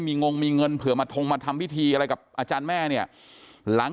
มีงงมีเงินเผื่อมาทงมาทำพิธีอะไรกับอาจารย์แม่เนี่ยหลัง